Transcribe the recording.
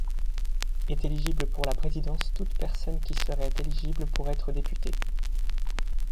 Est éligible pour la présidence toute personne qui serait éligible pour être députée.